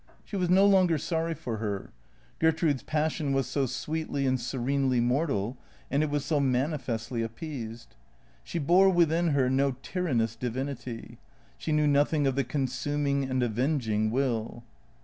She was no longer sorry for her. Gertrude's passion was so sweetly and serenely mortal, and it was so manifestly appeased. She bore within her no tyrannous divinity. She knew nothing of the consuming and avenging will.